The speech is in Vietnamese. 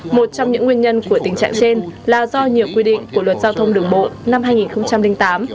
một trong những nguyên nhân của tình trạng trên là do nhiều quy định của luật giao thông đường bộ năm hai nghìn tám